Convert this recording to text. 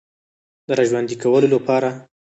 د را ژوندۍ کولو لپاره